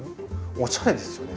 おしゃれですよね。